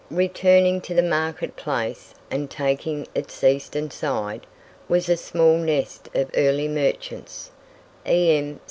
Returning to the market place, and taking its eastern side, was a small nest of early merchants E.M.